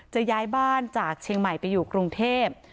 จะย้ายบ้านจากเชียงใหม่ไปอยู่กรุงเทพ